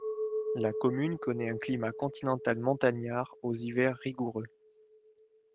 La commune connaît un climat continental montagnard aux hivers rigoureux.